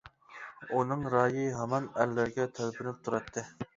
ئۇنىڭ رايى ھامان ئەرلەرگە تەلپۈنۈپ تۇراتتى.